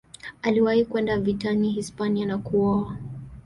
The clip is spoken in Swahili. Aliwahi kwenda vitani Hispania na kuoa.